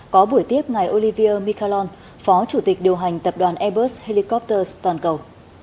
có buổi tiếp ngày olivia mcallen phó chủ tịch điều hành tập đoàn airbus helicopters toàn cầu